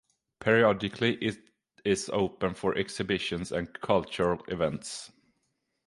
Periodically it is open for exhibitions and cultural events.